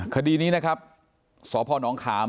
คดีนี้นะครับสพนขาม